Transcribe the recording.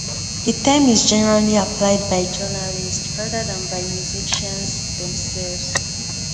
The term is generally applied by journalists, rather than by musicians themselves.